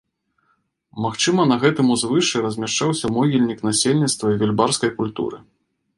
Магчыма, на гэтым узвышшы размяшчаўся могільнік насельніцтва вельбарскай культуры.